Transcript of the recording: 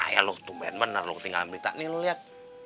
ya lo tungguin bener lo tinggalin berita nih lo liat